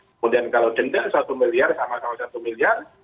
kemudian kalau denda satu miliar sama sama satu miliar